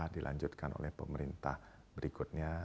dilanjutkan oleh pemerintah berikutnya